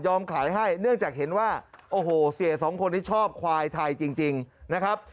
ขายให้เนื่องจากเห็นว่าโอ้โหเสียสองคนนี้ชอบควายไทยจริงนะครับ